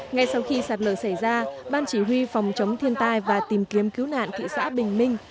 ngay sau khi sạt lở xảy ra ban chỉ huy phòng chống thiên tai và tìm kiếm cứu nạn thị xã bình minh